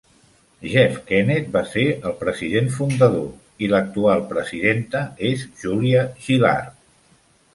Jeff Kennett va ser el president fundador i l'actual presidenta és Julia Gillard.